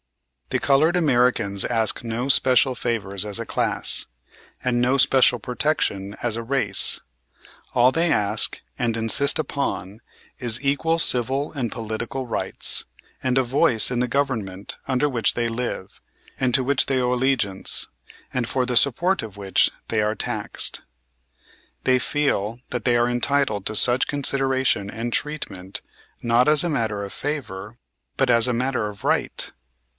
"The colored Americans ask no special favors as a class, and no special protection as a race. All they ask and insist upon is equal civil and political rights, and a voice in the government under which they live, and to which they owe allegiance, and for the support of which they are taxed. They feel that they are entitled to such consideration and treatment, not as a matter of favor but as a matter of right.